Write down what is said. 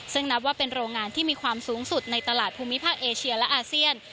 ซึ่งนับว่าเป็นโรงงานที่มีความสูงสุดในตลาดภูมิภาคเอเชียและอาเซียน